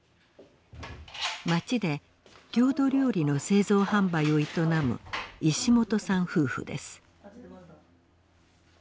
町で郷土料理の製造販売を営む石本さん夫婦です。